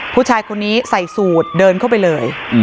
ผู้ชายคนนี้ใส่สูตรเดินเข้าไปเลย